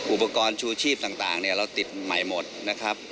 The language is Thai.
อุปกรณ์ชูชีพต่างเราติดใหม่หมดนะครับ